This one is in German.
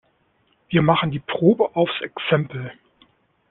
Wir machen die Probe aufs Exempel.